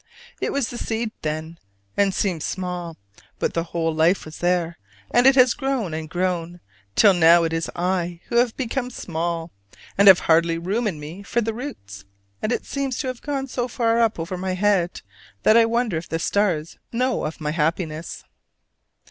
It was the seed then, and seemed small; but the whole life was there; and it has grown and grown till now it is I who have become small, and have hardly room in me for the roots: and it seems to have gone so far up over my head that I wonder if the stars know of my happiness.